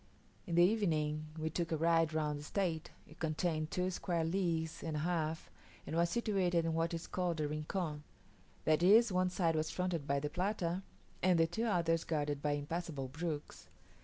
In the evening we took a ride round the estate: it contained two square leagues and a half, and was situated in what is called a rincon; that is, one side was fronted by the Plata, and the two others guarded by impassable brooks.